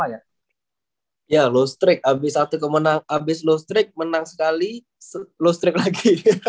ya lo strike abis lo strike menang sekali lo strike lagi